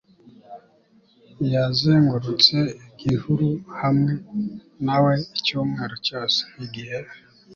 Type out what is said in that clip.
yazengurutse igihuru hamwe na we icyumweru cyose. igihe